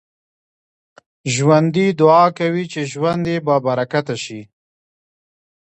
ژوندي دعا کوي چې ژوند يې بابرکته شي